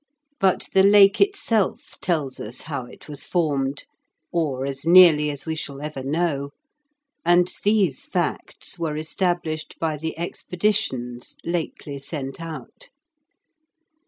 But the Lake itself tells us how it was formed, or as nearly as we shall ever know, and these facts were established by the expeditions lately sent out.